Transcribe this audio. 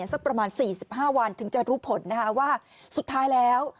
สักประมาณ๔๕วันถึงจะรู้ผลนะคะว่าสุดท้ายแล้ว